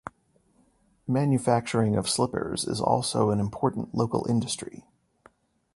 Manufacturing of slippers is also an important local industry.